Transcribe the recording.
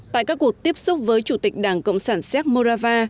tại các cuộc tiếp xúc với chủ tịch đảng cộng sản xếp morava